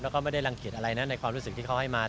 แล้วก็ไม่ได้รังเกียจอะไรนะในความรู้สึกที่เขาให้มา